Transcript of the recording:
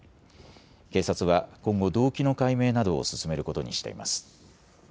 警察は今後、動機の解明などを進めることにしています。